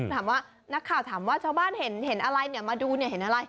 ถามว่านักข่าวถามว่าชาวบ้านเห็นอะไรมาดูเห็นอะไร